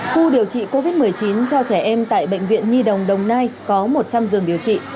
khu điều trị covid một mươi chín cho trẻ em tại bệnh viện nhi đồng đồng nai có một trăm linh giường điều trị